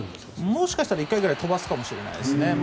もしかしたら１回ぐらい飛ばすかもしれないですね。